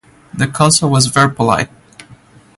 The consul was very polite.